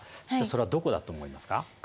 それはどこだと思いますか？